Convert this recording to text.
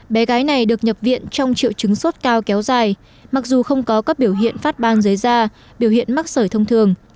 bé gái này được nhập viện trong triệu chứng sốt cao kéo dài mặc dù không có các biểu hiện phát bang dưới da biểu hiện mắc sởi thông thường